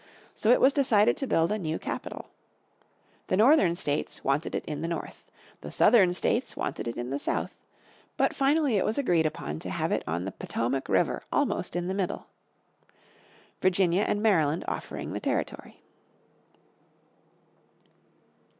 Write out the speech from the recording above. So it was decided to build a new capital. The Northern States wanted it in the north, the Southern States wanted it in the south, but finally it was agreed upon to have it on the Potomac River almost in the middle, Virginia and Maryland offering the territory.